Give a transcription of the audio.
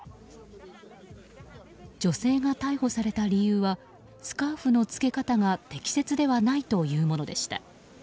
女性が逮捕された理由はスカーフの着け方が適切ではないというものでした。